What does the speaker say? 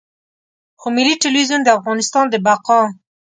خو ملي ټلویزیون د افغانستان د بقا.